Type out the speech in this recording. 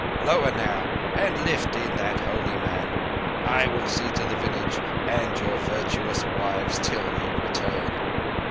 "Lower now, and lift in that holy man. I will see to the village and your virtuous wives till ye return."